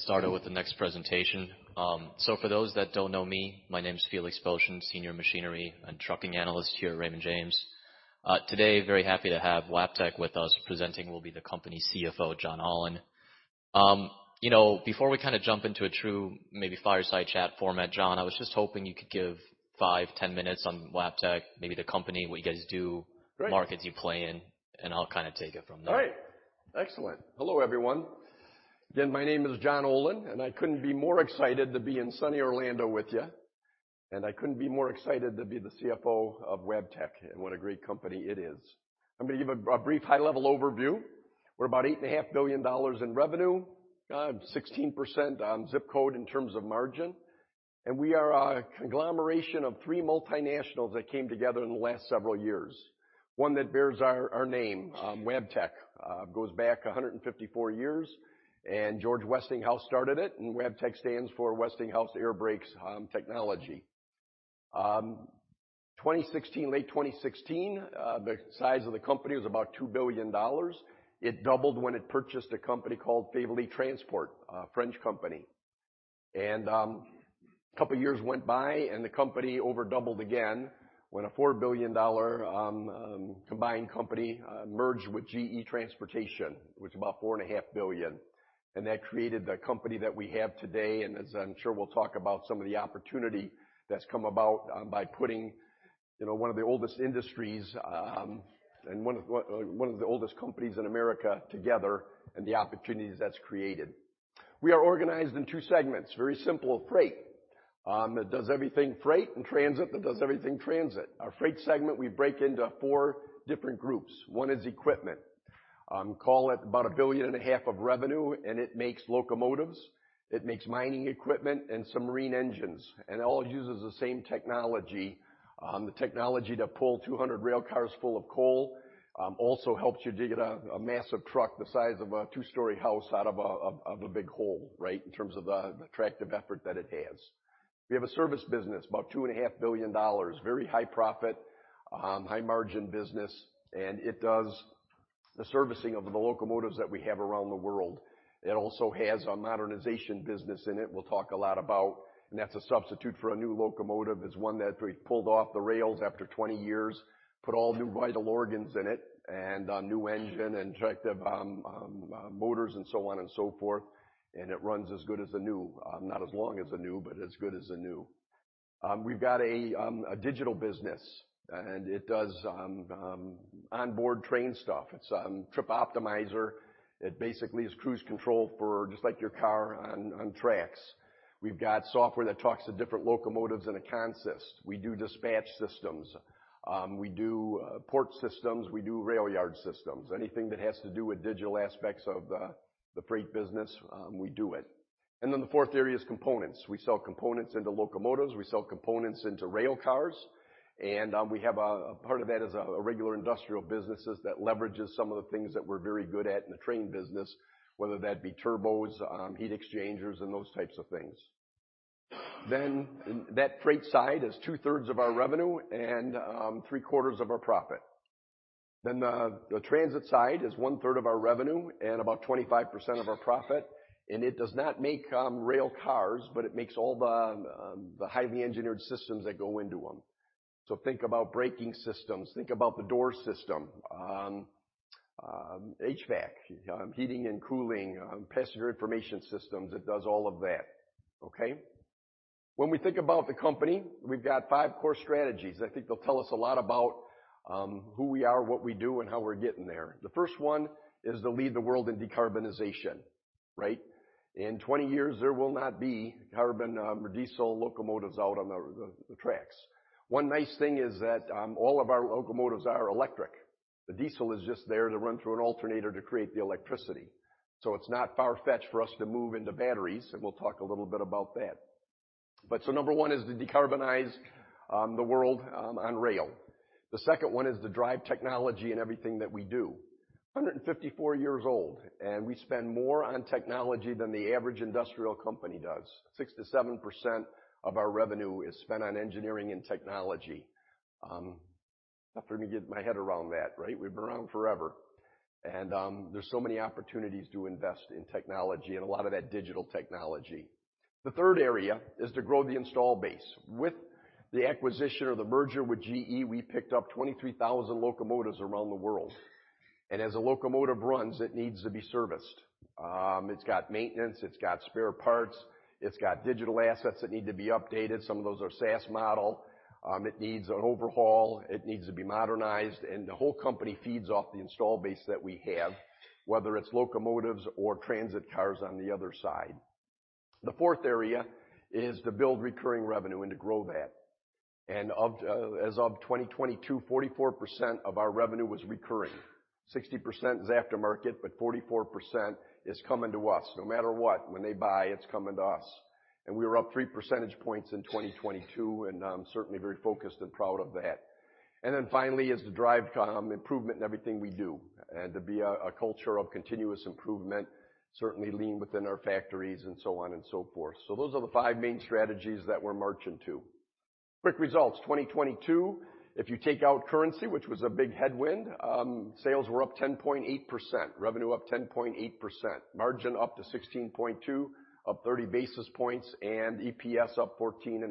Start out with the next presentation. For those that don't know me, my name is Felix Boeschen, Senior Machinery and Trucking Analyst here at Raymond James. Today very happy to have Wabtec with us. Presenting will be the company CFO, John Olin. You know, before we kinda jump into a true maybe fireside chat format, John, I was just hoping you could give 5, 10 minutes on Wabtec, maybe the company, what you guys do... Great. Markets you play in, and I'll kinda take it from there. All right. Excellent. Hello, everyone. Again, my name is John Olin. I couldn't be more excited to be in sunny Orlando with you. I couldn't be more excited to be the CFO of Wabtec. What a great company it is. I'm gonna give a brief high-level overview. We're about $8.5 billion in revenue, 16% on zip code in terms of margin. We are a conglomeration of three multinationals that came together in the last several years, one that bears our name, Wabtec. Goes back 154 years. George Westinghouse started it. Wabtec stands for Westinghouse Air Brakes Technology. 2016, late 2016, the size of the company was about $2 billion. It doubled when it purchased a company called Faiveley Transport, a French company. A couple years went by, and the company over doubled again when a $4 billion combined company merged with GE Transportation, which is about $4.5 billion, and that created the company that we have today. As I'm sure we'll talk about some of the opportunity that's come about, by putting, you know, one of the oldest industries, and one of the oldest companies in America together and the opportunities that's created. We are organized in two segments, very simple. Freight, that does everything freight, and transit that does everything transit. Our freight segment we break into four different groups. One is equipment. Call it about $1.5 billion of revenue, and it makes locomotives, it makes mining equipment and some marine engines, and it all uses the same technology. The technology to pull 200 rail cars full of coal also helps you to get a massive truck the size of a two-story house out of a big hole, right, in terms of the tractive effort that it has. We have a service business, about $2.5 billion. Very high profit, high margin business, and it does the servicing of the locomotives that we have around the world. It also has a modernization business in it we'll talk a lot about, and that's a substitute for a new locomotive. It's one that we've pulled off the rails after 20 years, put all new vital organs in it, new engine, injectors, motors and so on and so forth, it runs as good as the new, not as long as the new, as good as the new. We've got a digital business, it does onboard train stuff. It's Trip Optimizer. It basically is cruise control for just like your car on tracks. We've got software that talks to different locomotives in a consist. We do dispatch systems. We do port systems. We do rail yard systems. Anything that has to do with digital aspects of the freight business, we do it. The fourth area is components. We sell components into locomotives. We sell components into rail cars, and we have Part of that is a regular industrial businesses that leverages some of the things that we're very good at in the train business, whether that be turbos, heat exchangers and those types of things. That freight side is two-thirds of our revenue and three-quarters of our profit. The transit side is one-third of our revenue and about 25% of our profit, and it does not make rail cars, but it makes all the highly engineered systems that go into them. Think about braking systems. Think about the door system, HVAC, heating and cooling, passenger information systems. It does all of that. Okay? When we think about the company, we've got five core strategies. I think they'll tell us a lot about who we are, what we do, and how we're getting there. The first one is to lead the world in decarbonization, right? In 20 years, there will not be carbon or diesel locomotives out on the tracks. One nice thing is that all of our locomotives are electric. The diesel is just there to run through an alternator to create the electricity, so it's not far-fetched for us to move into batteries, and we'll talk a little bit about that. Number one is to decarbonize the world on rail. The second one is to drive technology in everything that we do. 154 years old, we spend more on technology than the average industrial company does. 6%-7% of our revenue is spent on engineering and technology. Tough for me to get my head around that, right? We've been around forever, there's so many opportunities to invest in technology and a lot of that digital technology. The third area is to grow the install base. With the acquisition or the merger with GE, we picked up 23,000 locomotives around the world, and as a locomotive runs, it needs to be serviced. It's got maintenance. It's got spare parts. It's got digital assets that need to be updated. Some of those are SaaS model. It needs an overhaul. It needs to be modernized, and the whole company feeds off the install base that we have, whether it's locomotives or transit cars on the other side. The fourth area is to build recurring revenue and to grow that. As of 2022, 44% of our revenue was recurring. 60% is aftermarket, 44% is coming to us. No matter what, when they buy, it's coming to us. We were up 3 percentage points in 2022, and I'm certainly very focused and proud of that. Finally is to drive improvement in everything we do and to be a culture of continuous improvement, certainly lean within our factories and so on and so forth. Those are the five main strategies that we're marching to. Quick results. 2022, if you take out currency, which was a big headwind, sales were up 10.8%, revenue up 10.8%, margin up to 16.2%, up 30 basis points, and EPS up 14.5%,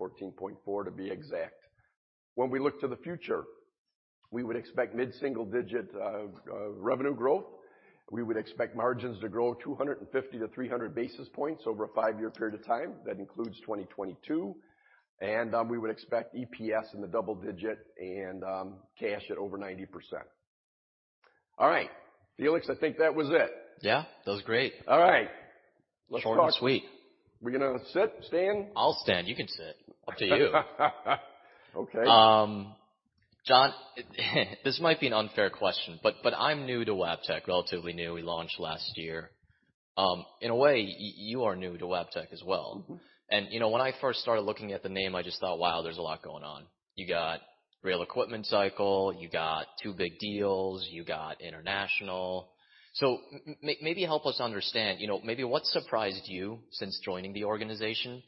14.4% to be exact. When we look to the future, we would expect mid-single digit revenue growth. We would expect margins to grow 250 to 300 basis points over a 5-year period of time. That includes 2022, and, we would expect EPS in the double-digit and, cash at over 90%. All right, Felix, I think that was it. Yeah, that was great. All right. Let's talk. Short and sweet. We gonna sit, stand? I'll stand. You can sit. Up to you. Okay. John, this might be an unfair question, but I'm new to Wabtec, relatively new. We launched last year. In a way, you are new to Wabtec as well. Mm-hmm. You know, when I first started looking at the name, I just thought, "Wow, there's a lot going on." You got rail equipment cycle, you got two big deals, you got international. Maybe help us understand, you know, maybe what surprised you since joining the organization?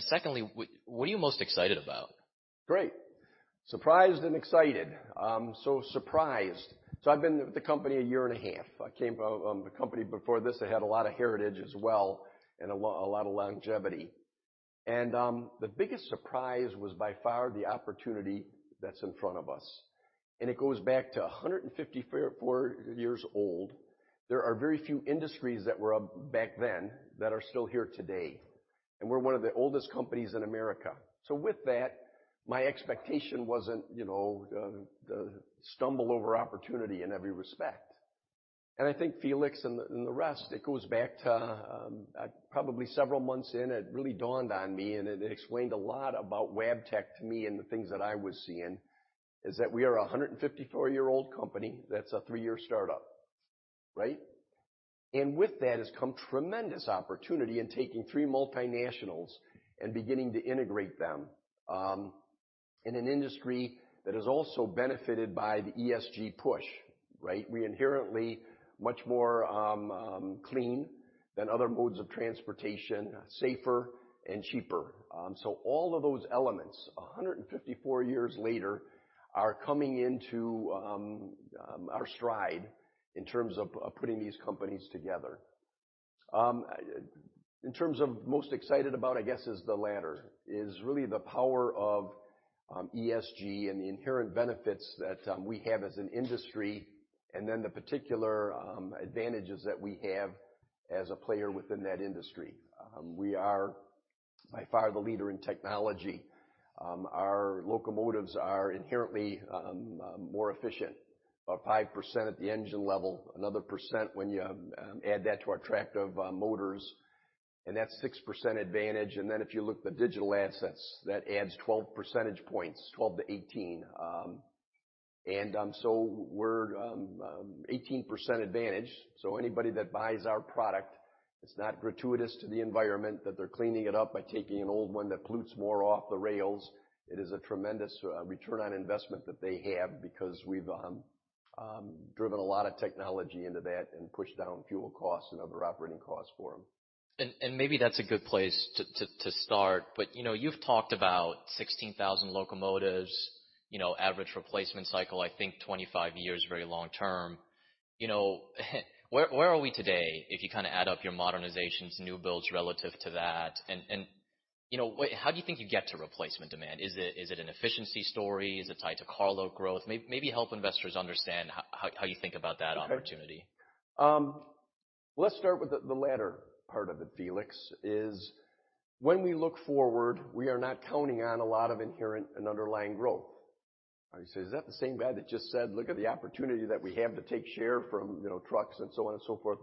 Secondly, what are you most excited about? Great. Surprised and excited. Surprised. I've been with the company 1.5 years. I came out, the company before this, they had a lot of heritage as well, and a lot of longevity. The biggest surprise was by far the opportunity that's in front of us, and it goes back to 154 years old. There are very few industries that were back then that are still here today, and we're one of the oldest companies in America. With that, my expectation wasn't, you know, to stumble over opportunity in every respect. I think Felix and the rest, it goes back to, probably several months in, it really dawned on me, and it explained a lot about Wabtec to me and the things that I was seeing, is that we are a 154-year-old company that's a 3-year startup, right? With that has come tremendous opportunity in taking three multinationals and beginning to integrate them, in an industry that has also benefited by the ESG push, right? We're inherently much more clean than other modes of transportation, safer and cheaper. All of those elements, 154 years later, are coming into our stride in terms of putting these companies together. In terms of most excited about, I guess, is the latter, is really the power of ESG and the inherent benefits that we have as an industry and then the particular advantages that we have as a player within that industry. We are by far the leader in technology. Our locomotives are inherently more efficient, about 5% at the engine level, another 1% when you add that to our tractive motors, and that's 6% advantage. If you look at the digital assets, that adds 12 percentage points, 12%-18%. We're 18% advantage. Anybody that buys our product, it's not gratuitous to the environment that they're cleaning it up by taking an old one that pollutes more off the rails. It is a tremendous ROI that they have because we've driven a lot of technology into that and pushed down fuel costs and other operating costs for them. Maybe that's a good place to start. You know, you've talked about 16,000 locomotives, you know, average replacement cycle, I think 25 years, very long-term. You know, where are we today if you kinda add up your modernizations, new builds relative to that? You know, how do you think you get to replacement demand? Is it an efficiency story? Is it tied to cargo growth? Maybe help investors understand how you think about that opportunity. Okay. Let's start with the latter part of it, Felix, is when we look forward, we are not counting on a lot of inherent and underlying growth. You say, "Is that the same guy that just said, 'Look at the opportunity that we have to take share from, you know, trucks,' and so on and so forth?"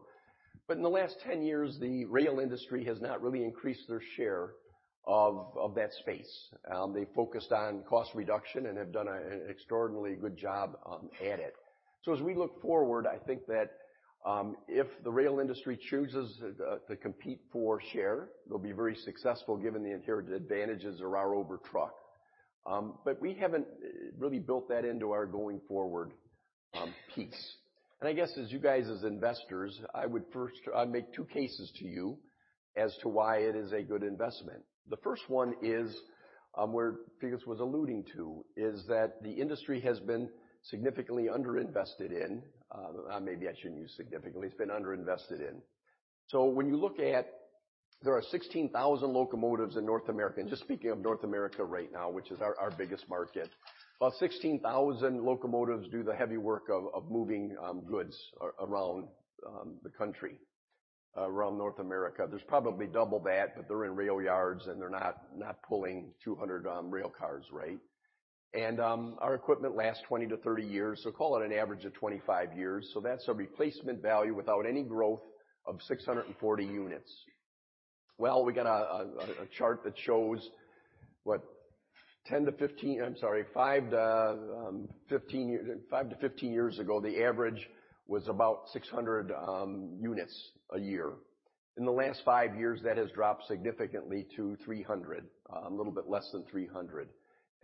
In the last 10 years, the rail industry has not really increased their share of that space. They focused on cost reduction and have done an extraordinarily good job at it. As we look forward, I think that, if the rail industry chooses to compete for share, they'll be very successful given the inherited advantages of rail over truck. We haven't really built that into our going forward piece. I guess as you guys as investors, I would first make 2 cases to you as to why it is a good investment. The first one is, Felix was alluding to, is that the industry has been significantly underinvested in. Maybe I shouldn't use significantly. It's been underinvested in. When you look at there are 16,000 locomotives in North America, and just speaking of North America right now, which is our biggest market. About 16,000 locomotives do the heavy work of moving goods around the country, around North America. There's probably double that, but they're in rail yards, and they're not pulling 200 rail cars, right? Our equipment lasts 20-30 years, so call it an average of 25 years. That's a replacement value without any growth of 640 units. We got a chart that shows, what, 10-15. I'm sorry, 5-15 years ago, the average was about 600 units a year. In the last 5 years, that has dropped significantly to 300, a little bit less than 300.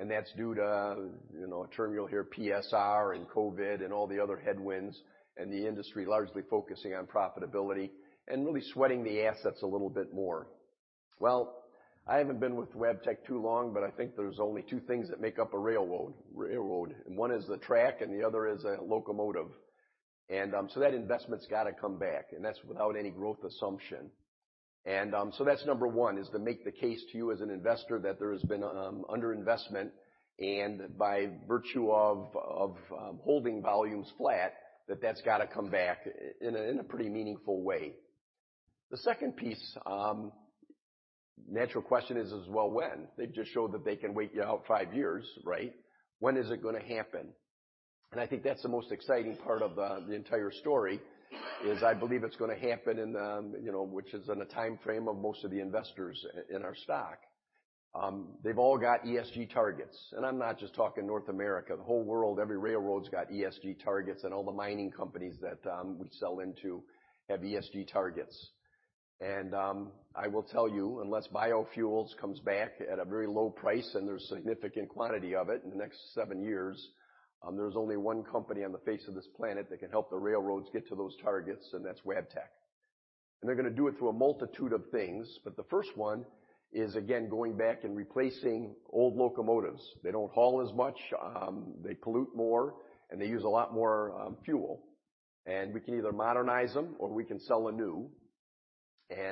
That's due to, you know, a term you'll hear, PSR and COVID and all the other headwinds, and the industry largely focusing on profitability and really sweating the assets a little bit more. I haven't been with Wabtec too long, but I think there's only two things that make up a railroad, and one is the track, and the other is a locomotive. That investment's gotta come back, and that's without any growth assumption. So that's number one is to make the case to you as an investor that there has been underinvestment and by virtue of holding volumes flat, that that's got to come back in a pretty meaningful way. The second piece, natural question is, well, when? They just showed that they can wait you out 5 years, right? When is it gonna happen? I think that's the most exciting part of the entire story, is I believe it's gonna happen in, you know, which is in the timeframe of most of the investors in our stock. They've all got ESG targets, and I'm not just talking North America, the whole world, every railroad's got ESG targets, and all the mining companies that we sell into have ESG targets. I will tell you, unless biofuels comes back at a very low price and there's significant quantity of it in the next 7 years, there's only one company on the face of this planet that can help the railroads get to those targets, and that's Wabtec. They're gonna do it through a multitude of things, but the first one is, again, going back and replacing old locomotives. They don't haul as much, they pollute more, and they use a lot more fuel. We can either modernize them or we can sell a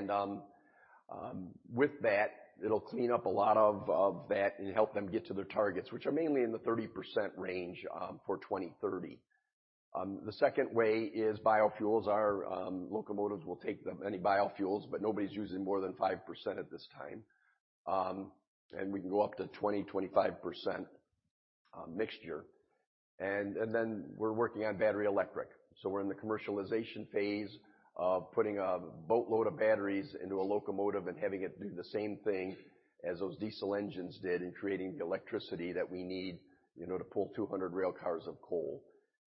new. With that, it'll clean up a lot of that and help them get to their targets, which are mainly in the 30% range for 2030. The second way is biofuels are, locomotives will take them, any biofuels, but nobody's using more than 5% at this time. We can go up to 20%-25% mixture. We're working on battery-electric, so we're in the commercialization phase of putting a boatload of batteries into a locomotive and having it do the same thing as those diesel engines did in creating the electricity that we need, you know, to pull 200 railcars of coal.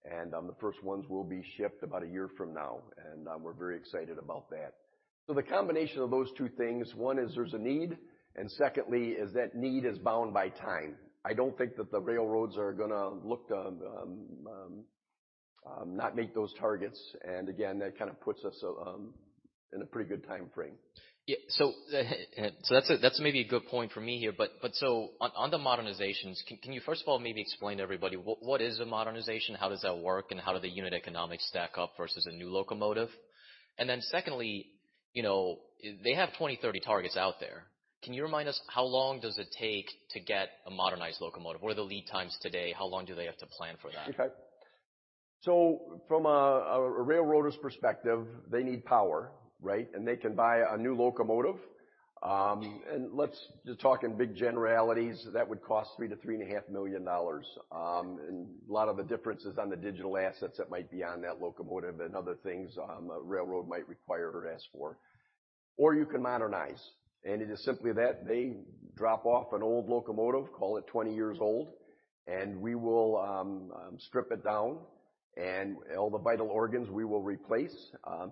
The first ones will be shipped about 1 year from now, we're very excited about that. The combination of those two things, one is there's a need, and secondly is that need is bound by time. I don't think that the railroads are gonna look to not make those targets. Again, that kind of puts us in a pretty good time frame. Yeah. So that's a, that's maybe a good point for me here, but so on the modernizations, can you first of all maybe explain to everybody what is a modernization? How does that work? How do the unit economics stack up versus a new locomotive? Secondly, you know, they have 2030 targets out there. Can you remind us how long does it take to get a modernized locomotive? What are the lead times today? How long do they have to plan for that? Okay. From a railroaders perspective, they need power, right? They can buy a new locomotive. Let's just talk in big generalities. That would cost $3 million-$3.5 million. A lot of the difference is on the digital assets that might be on that locomotive and other things, a railroad might require or ask for. You can modernize, and it is simply that. They drop off an old locomotive, call it 20 years old, and we will strip it down, and all the vital organs we will replace,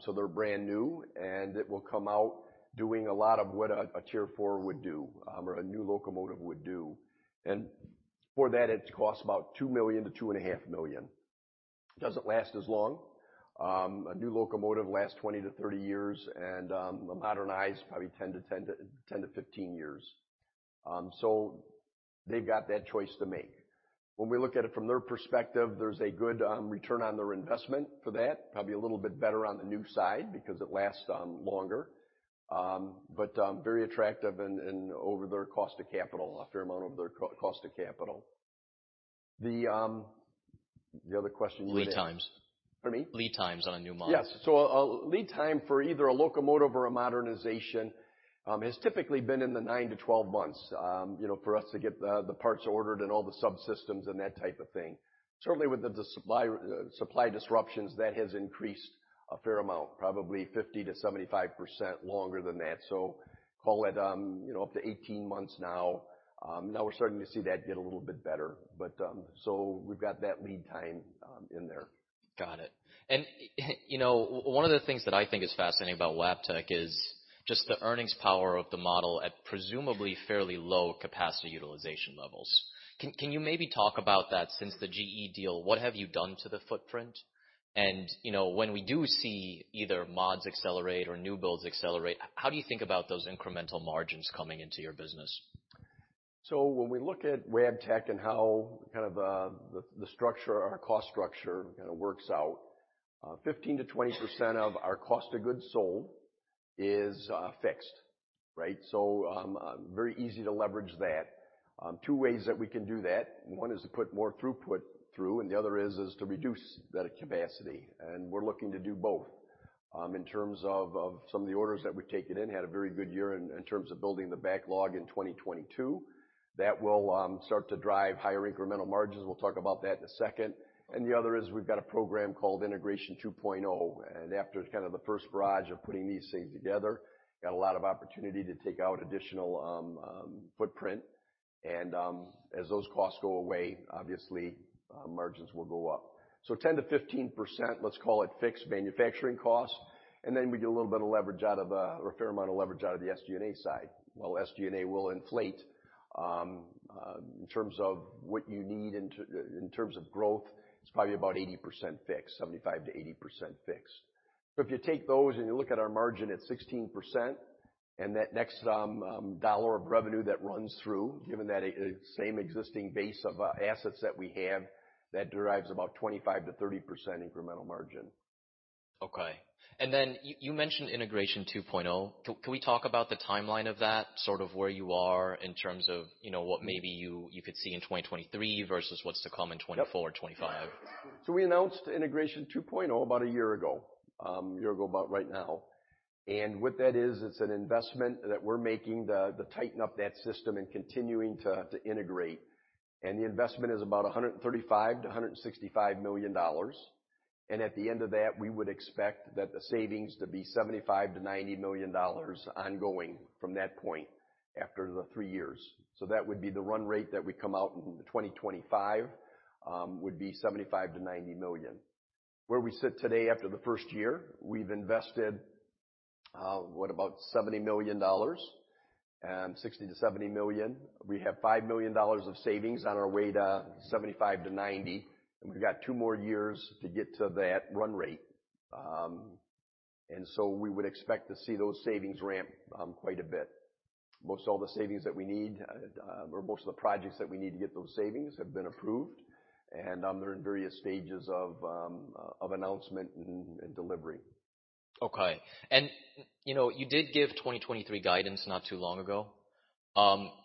so they're brand new, and it will come out doing a lot of what a Tier 4 would do, or a new locomotive would do. For that, it costs about $2 million-$2.5 million. Doesn't last as long. A new locomotive lasts 20-30 years and the modernized probably 10-15 years. They've got that choice to make. When we look at it from their perspective, there's a good return on their investment for that, probably a little bit better on the new side because it lasts longer. Very attractive and over their cost of capital, a fair amount over their cost of capital. The other question you had. Lead times. Pardon me? Lead times on a new mod. Yes. A lead time for either a locomotive or a modernization has typically been in the 9-12 months, you know, for us to get the parts ordered and all the subsystems and that type of thing. Certainly with the supply disruptions, that has increased a fair amount, probably 50%-75% longer than that. Call it, you know, up to 18 months now. We're starting to see that get a little bit better, but, so we've got that lead time in there. Got it. You know, one of the things that I think is fascinating about Wabtec is just the earnings power of the model at presumably fairly low capacity utilization levels. Can you maybe talk about that since the GE deal, what have you done to the footprint? You know, when we do see either mods accelerate or new builds accelerate, how do you think about those incremental margins coming into your business? When we look at Wabtec and how kind of, the structure, our cost structure kinda works out, 15%-20% of our cost of goods sold is fixed, right? Very easy to leverage that. Two ways that we can do that. One is to put more throughput through, and the other is to reduce that capacity, and we're looking to do both. In terms of some of the orders that we've taken in, had a very good year in terms of building the backlog in 2022. That will start to drive higher incremental margins. We'll talk about that in a second. The other is we've got a program called Integration 2.0, and after kind of the first barrage of putting these things together, got a lot of opportunity to take out additional footprint. As those costs go away, obviously, margins will go up. 10%-15%, let's call it fixed manufacturing costs. Then we get a little bit of leverage out of, or a fair amount of leverage out of the SG&A side. While SG&A will inflate, in terms of what you need in terms of growth, it's probably about 80% fixed, 75%-80% fixed. If you take those and you look at our margin at 16%, and that next dollar of revenue that runs through, given that same existing base of assets that we have, that derives about 25%-30% incremental margin. Okay. Then you mentioned Integration 2.0. Can we talk about the timeline of that, sort of where you are in terms of, you know, what maybe you could see in 2023 versus what's to come in 2024, 2025? Yep. We announced Integration 2.0 about 1 year ago, 1 year ago about right now. What that is, it's an investment that we're making to tighten up that system and continuing to integrate. The investment is about $135 million-$165 million. At the end of that, we would expect that the savings to be $75 million-$90 million ongoing from that point after the 3 years. That would be the run rate that we come out in 2025, would be $75 million-$90 million. Where we sit today after the 1st year, we've invested, what, about $70 million, $60 million-$70 million. We have $5 million of savings on our way to $75 million-$90 million, and we've got 2 more years to get to that run rate. We would expect to see those savings ramp quite a bit. Most all the savings that we need or most of the projects that we need to get those savings have been approved. They're in various stages of announcement and delivery. Okay. you know, you did give 2023 guidance not too long ago.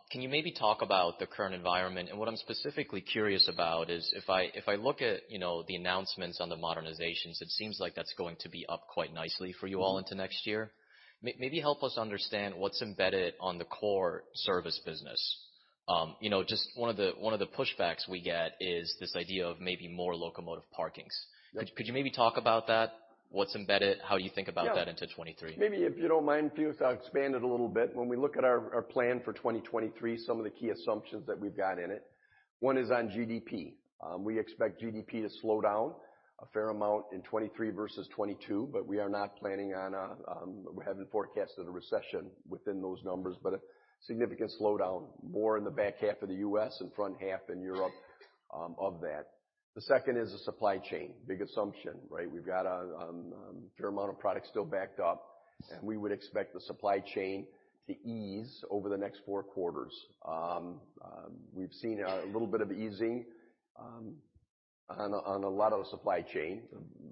Can you maybe talk about the current environment? What I'm specifically curious about is if I look at, you know, the announcements on the modernizations, it seems like that's going to be up quite nicely for you all into next year. Maybe help us understand what's embedded on the core service business. you know, just one of the pushbacks we get is this idea of maybe more locomotive parkings. Right. Could you maybe talk about that, what's embedded, how you think about that into 2023? Maybe if you don't Felix, i'll expand it a little bit. When we look at our plan for 2023, some of the key assumptions that we've got in it, one is on GDP. We expect GDP to slow down a fair amount in 2023 versus 2022, but we are not planning on, we haven't forecasted a recession within those numbers, but a significant slowdown, more in the back half of the U.S. and front half in Europe of that. The second is the supply chain. Big assumption, right? We've got a fair amount of product still backed up, and we would expect the supply chain to ease over the next four quarters. We've seen a little bit of easing on a lot of the supply chain,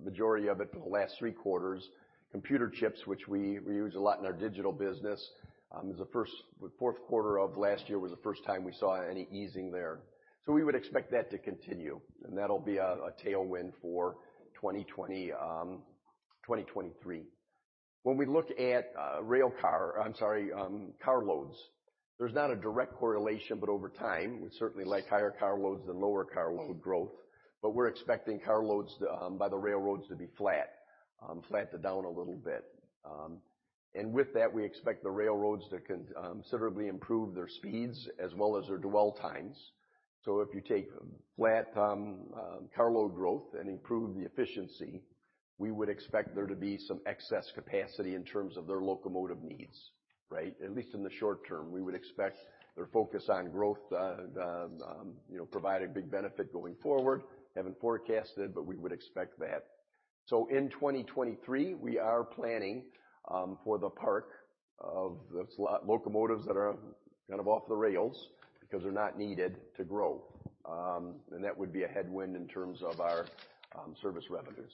majority of it in the last three quarters. Computer chips, which we use a lot in our digital business, is the fourth quarter of last year was the first time we saw any easing there. We would expect that to continue, and that'll be a tailwind for 2023. When we look at car loads, there's not a direct correlation, but over time, we certainly like higher car loads than lower car load growth. We're expecting car loads by the railroads to be flat to down a little bit. With that, we expect the railroads to considerably improve their speeds as well as their dwell times. If you take flat car load growth and improve the efficiency, we would expect there to be some excess capacity in terms of their locomotive needs, right? At least in the short-term, we would expect their focus on growth, the, you know, provide a big benefit going forward. Haven't forecasted, but we would expect that. In 2023, we are planning for the park of the slot locomotives that are kind of off the rails because they're not needed to grow. That would be a headwind in terms of our service revenues.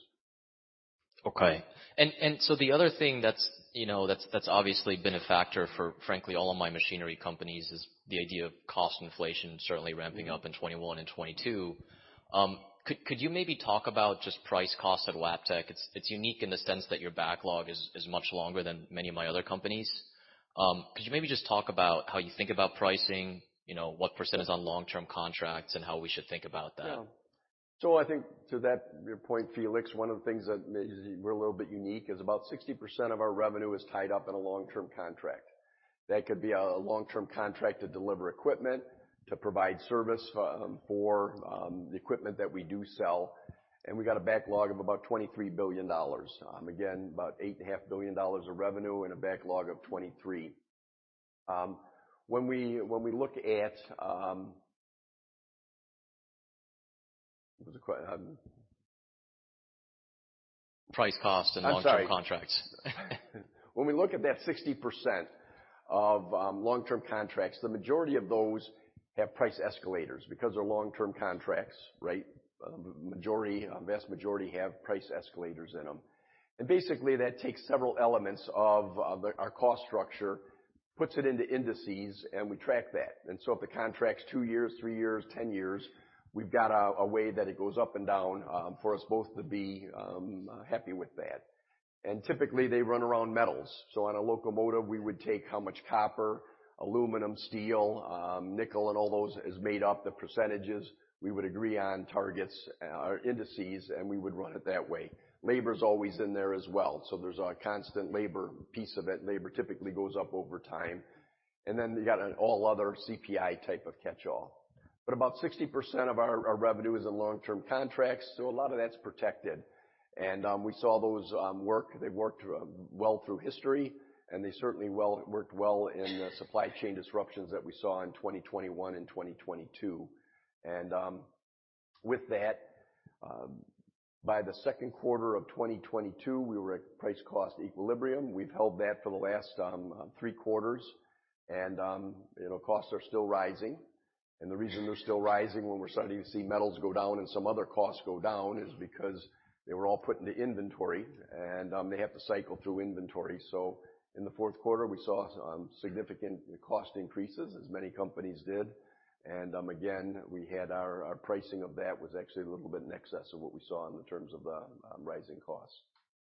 Okay. The other thing that's, you know, that's obviously been a factor for, frankly, all of my machinery companies is the idea of cost inflation certainly ramping up in 2021 and 2022. Could you maybe talk about just price cost at Wabtec? It's unique in the sense that your backlog is much longer than many of my other companies. Could you maybe just talk about how you think about pricing, you know, what % is on long-term contracts, and how we should think about that? Yeah. I think to that Felix, one of the things that makes we're a little bit unique is about 60% of our revenue is tied up in a long-term contract. That could be a long-term contract to deliver equipment, to provide service, for the equipment that we do sell. We got a backlog of about $23 billion. Again, about $8.5 billion of revenue and a backlog of $23 billion. When we look at... What was the? Price, cost, and long-term contracts. I'm sorry. When we look at that 60% of long-term contracts, the majority of those have price escalators. Because they're long-term contracts, right, majority, a vast majority have price escalators in them. Basically, that takes several elements of our cost structure, puts it into indices, and we track that. If the contract's 2 years, 3 years, 10 years, we've got a way that it goes up and down for us both to be happy with that. Typically, they run around metals. On a locomotive, we would take how much copper, aluminum, steel, nickel, and all those has made up the percentages. We would agree on targets or indices, and we would run it that way. Labor's always in there as well, so there's a constant labor piece of it. Labor typically goes up over time. Then you got an all other CPI type of catch-all. About 60% of our revenue is in long-term contracts, so a lot of that's protected. We saw those work. They worked well through history, and they certainly worked well in the supply chain disruptions that we saw in 2021 and 2022. With that, by the second quarter of 2022, we were at price cost equilibrium. We've held that for the last three quarters. You know, costs are still rising. The reason they're still rising when we're starting to see metals go down and some other costs go down is because they were all put into inventory and they have to cycle through inventory. In the fourth quarter, we saw significant cost increases, as many companies did. Again, we had our pricing of that was actually a little bit in excess of what we saw in terms of rising costs.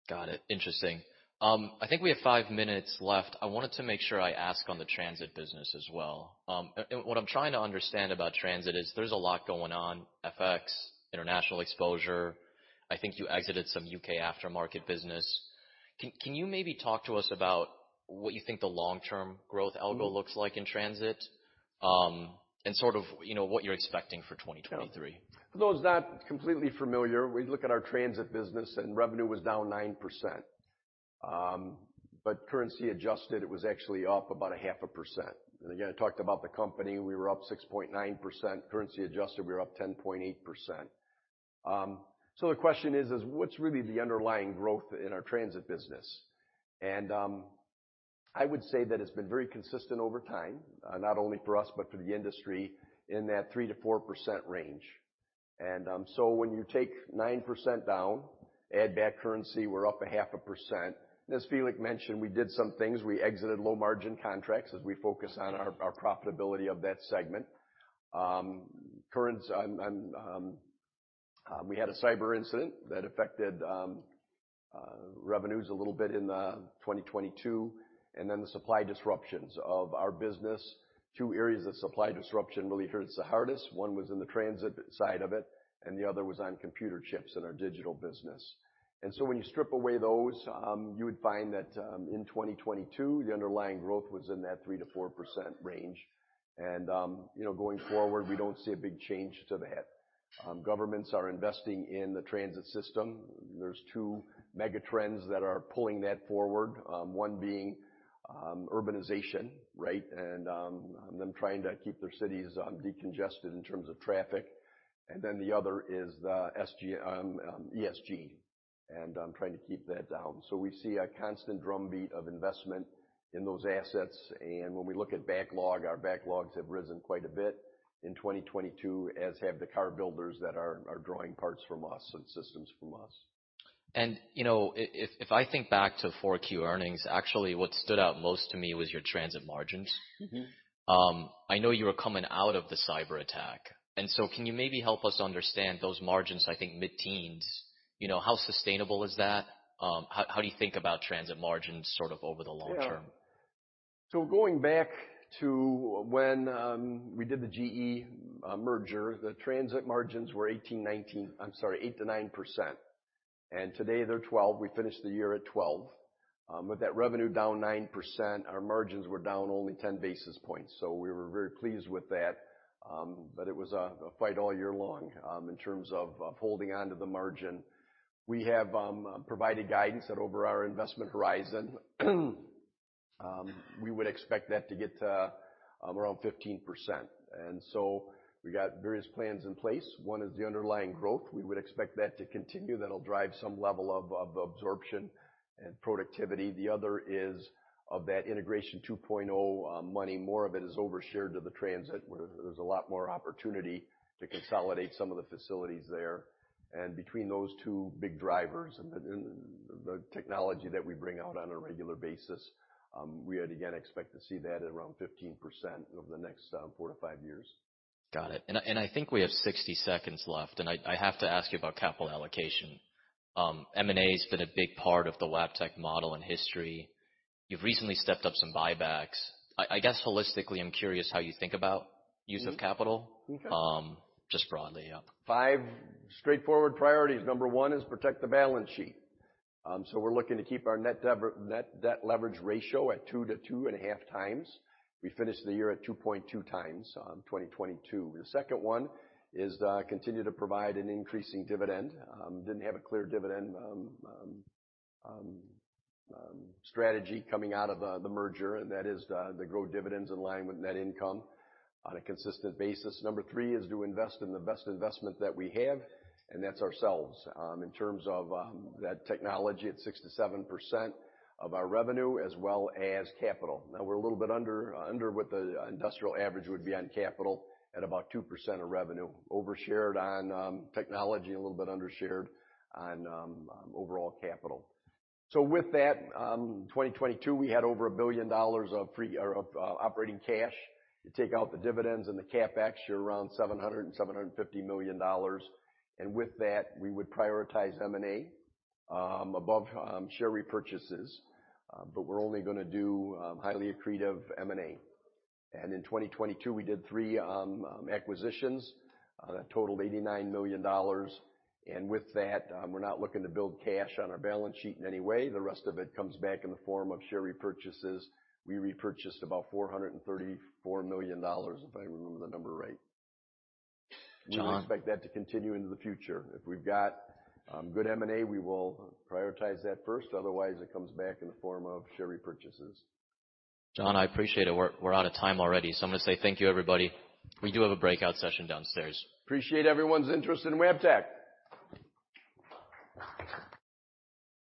Got it. Interesting. I think we have 5 minutes left. I wanted to make sure I ask on the transit business as well. What I'm trying to understand about transit is there's a lot going on, FX, international exposure. I think you exited some UK aftermarket business. Can you maybe talk to us about what you think the long-term growth algo looks like in transit, and sort of, you know, what you're expecting for 2023? For those not completely familiar, we look at our transit business and revenue was down 9%. Currency adjusted, it was actually up about 0.5%. Again, I talked about the company, we were up 6.9%. Currency adjusted, we were up 10.8%. The question is what's really the underlying growth in our transit business? I would say that it's been very consistent over time, not only for us but for the industry in that 3%-4% range. When you take 9% down, add back currency, we're up 0.5%. As Felix mentioned, we did some things. We exited low-margin contracts as we focus on our profitability of that segment. Occurrence, we had a cyber incident that affected revenues a little bit in 2022, and then the supply disruptions of our business. Two areas of supply disruption really hurts the hardest. One was in the transit side of it, and the other was on computer chips in our digital business. When you strip away those, you would find that in 2022, the underlying growth was in that 3%-4% range. You know, going forward, we don't see a big change to that. Governments are investing in the transit system. There's two mega trends that are pulling that forward. One being urbanization, right? Them trying to keep their cities decongested in terms of traffic. The other is the ESG, and trying to keep that down. We see a constant drumbeat of investment in those assets. When we look at backlog, our backlogs have risen quite a bit in 2022, as have the car builders that are drawing parts from us and systems from us. You know, if I think back to 4Q earnings, actually what stood out most to me was your transit margins. Mm-hmm. I know you were coming out of the cyberattack, can you maybe help us understand those margins, I think mid-teens, you know, how sustainable is that? How do you think about transit margins sort of over the long term? Going back to when we did the GE merger, the transit margins were 8%-9%. Today they're 12%. We finished the year at 12%. With that revenue down 9%, our margins were down only 10 basis points. We were very pleased with that. It was a fight all year long in terms of holding onto the margin. We have provided guidance that over our investment horizon, we would expect that to get to around 15%. We got various plans in place. One is the underlying growth. We would expect that to continue. That'll drive some level of absorption and productivity. The other is of that Integration 2.0 money. More of it is over-shared to the transit, where there's a lot more opportunity to consolidate some of the facilities there. Between those two big drivers and the technology that we bring out on a regular basis, we would again expect to see that at around 15% over the next 4-5 years. Got it. I think we have 60 seconds left, I have to ask you about capital allocation. M&A's been a big part of the Wabtec model and history. You've recently stepped up some buybacks. I guess, holistically, I'm curious how you think about use of capital. Okay. Just broadly, yeah. Five straightforward priorities. Number one is protect the balance sheet. We're looking to keep our net debt leverage ratio at 2x-2.5x. We finished the year at 2.2x in 2022. The second one is to continue to provide an increasing dividend. didn't have a clear dividend strategy coming out of the merger. That is to grow dividends in line with net income on a consistent basis. Number three is to invest in the best investment that we have, and that's ourselves in terms of that technology at 6%-7% of our revenue as well as capital. Now, we're a little bit under what the industrial average would be on capital at about 2% of revenue. Over-shared on technology, a little bit under-shared on overall capital. With that, in 2022, we had over $1 billion of free or operating cash. You take out the dividends and the CapEx, you're around $700 million-$750 million. With that, we would prioritize M&A above share repurchases. We're only gonna do highly accretive M&A. In 2022, we did three acquisitions that totaled $89 million. With that, we're not looking to build cash on our balance sheet in any way. The rest of it comes back in the form of share repurchases. We repurchased about $434 million, if I remember the number right. John- We expect that to continue into the future. If we've got good M&A, we will prioritize that first. Otherwise, it comes back in the form of share repurchases. John, I appreciate it. We're out of time already. I'm gonna say thank you, everybody. We do have a breakout session downstairs. Appreciate everyone's interest in Wabtec.